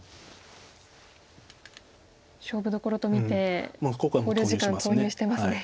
勝負どころと見て考慮時間投入してますね。